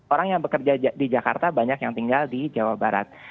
orang yang bekerja di jakarta banyak yang tinggal di jawa barat